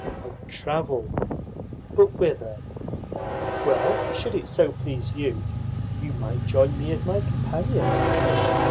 "Of travel." "But whither?" "Well, should it so please you, you might join me as my companion."